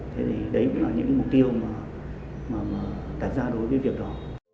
thế thì đấy cũng là những mục tiêu mà đặt ra đối với việc đó